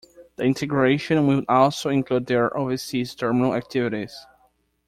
The integration will also include their overseas terminal activities.